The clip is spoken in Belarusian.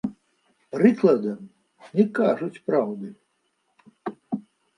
Прыкладам, не кажуць праўды.